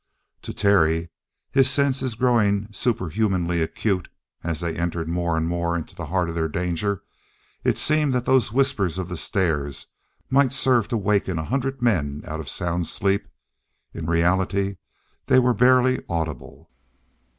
To Terry, his senses growing superhumanly acute as they entered more and more into the heart of their danger, it seemed that those whispers of the stairs might serve to waken a hundred men out of sound sleep; in reality they were barely audible.